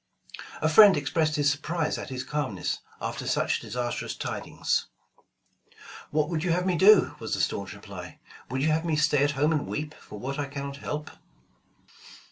A friend expressed his surprise at his calmness, after such disastrous tidings. *'What would you have me do?" was the staunch reply. "Would you have me stay at home and weep, for what I cannot help